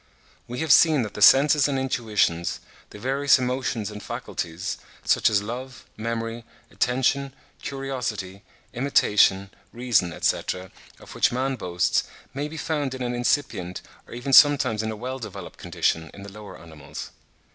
We have seen that the senses and intuitions, the various emotions and faculties, such as love, memory, attention, curiosity, imitation, reason, etc., of which man boasts, may be found in an incipient, or even sometimes in a well developed condition, in the lower animals.